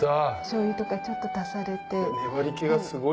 しょうゆとかちょっと足されて。